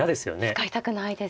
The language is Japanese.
使いたくないです。